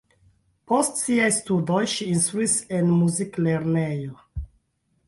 Post siaj studoj ŝi instruis en muziklernejo.